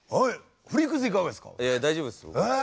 いや大丈夫です。